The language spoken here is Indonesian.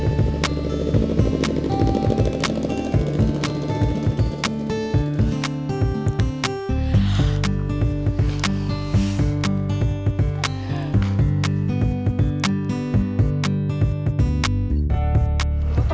sebelumnya aku ke sana